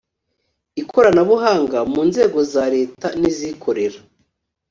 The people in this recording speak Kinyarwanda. Ikoranabuhanga mu nzego za reta nizikorera